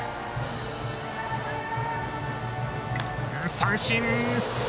三振。